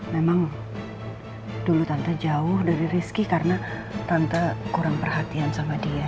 memang dulu tante jauh dari rizky karena tante kurang perhatian sama dia